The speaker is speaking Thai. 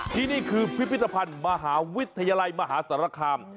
ที่นี่คือพิพิธภัณฑ์มหาวิทยาลัยมหาสารคาม